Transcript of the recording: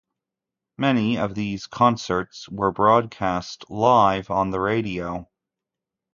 Many of these concerts were broadcast live on the radio.